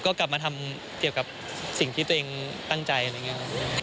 ก็กลับมาทำเกี่ยวกับสิ่งที่ตัวเองตั้งใจอะไรอย่างนี้ครับ